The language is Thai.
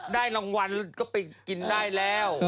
ได้รางวัลก็ไปกินได้แล้ว